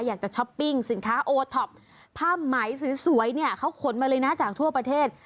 ช้อปปิ้งสินค้าโอท็อปผ้าไหมสวยเนี่ยเขาขนมาเลยนะจากทั่วประเทศ